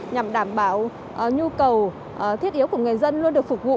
nhằm đảm bảo nhu cầu thiết yếu của người dân luôn được phục vụ